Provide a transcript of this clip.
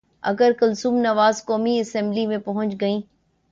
اگر کلثوم نواز قومی اسمبلی میں پہنچ گئیں۔